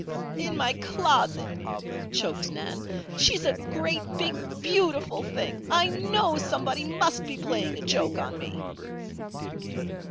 "In my closet," choked Nan. "She's a great, big, beautiful thing! I know somebody must be playing a joke on me."